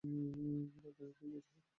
আমার আধিনি কি ভীতু?